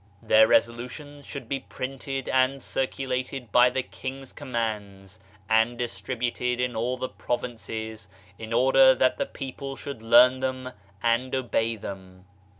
Their resolutions should be printed and circulated by the King's commands, and dis tributed in all the provinces, in order that the people should learn them and obey them.